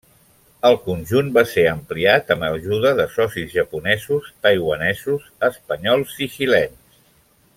El conjunt va ser ampliat amb l'ajuda de socis japonesos, taiwanesos, espanyols i xilens.